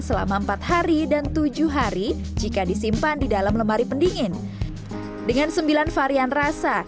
selama empat hari dan tujuh hari jika disimpan di dalam lemari pendingin dengan sembilan varian rasa